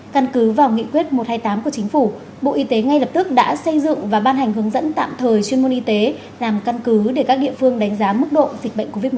căn cứ vào nghị quyết một trăm hai mươi tám của chính phủ bộ y tế ngay lập tức đã xây dựng và ban hành hướng dẫn tạm thời chuyên môn y tế làm căn cứ để các địa phương đánh giá mức độ dịch bệnh covid một mươi chín